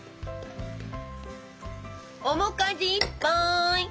面かじいっぱい！